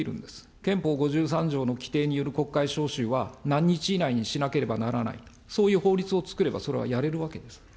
憲法５３条の規定による国会召集は何日以内にしなければならない、そういう法律をつくれば、それはやれるわけです。